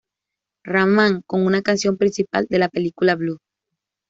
Rahman, con una canción principal de la película "Blue".